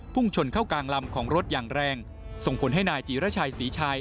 ชนเข้ากลางลำของรถอย่างแรงส่งผลให้นายจีรชัยศรีชาย